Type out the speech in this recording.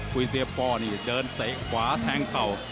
คุยเสียป้อนี่เดินเตะขวาแทงเข่า